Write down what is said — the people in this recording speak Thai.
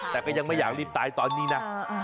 แต่ก็ยังไม่อยากรีบตายตอนนี้นะ